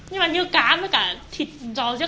nhưng mà như cá với cả thịt giò giác